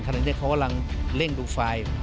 ขณะนี้เขาว่าเริ่มดูไฟล์